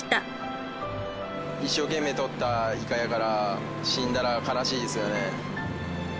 一生懸命取ったイカやから死んだら悲しいですよね。